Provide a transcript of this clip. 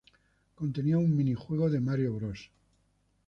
Contenía un minijuego de Mario Bros.